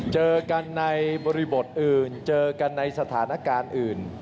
เจอกันในบริบทอื่นเจอกันในสถานการณ์อื่น